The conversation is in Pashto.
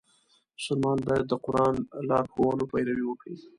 مسلمان باید د قرآن د لارښوونو پیروي وکړي.